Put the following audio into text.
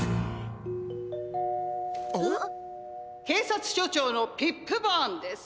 「警察署長のピップバーンです」。